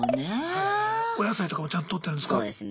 お野菜とかもちゃんととってるんですか？